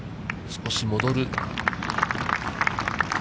少し戻る。